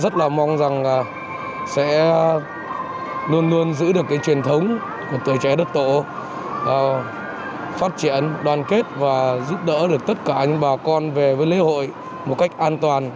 tất cả những bà con về với lễ hội một cách an toàn